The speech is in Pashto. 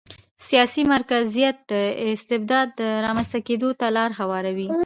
سیاسي مرکزیت د استبداد رامنځته کېدو ته لار هواروي.